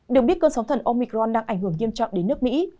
được biết cơn sóng thần omicron đang ảnh hưởng nghiêm trọng đến nước mỹ